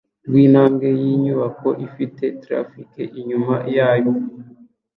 rwintambwe yinyubako ifite traffic inyuma yabo